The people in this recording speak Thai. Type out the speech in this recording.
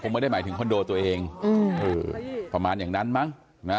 ไม่ได้หมายถึงคอนโดตัวเองประมาณอย่างนั้นมั้งนะ